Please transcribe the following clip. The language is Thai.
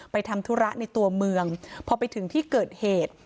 ทำธุระในตัวเมืองพอไปถึงที่เกิดเหตุ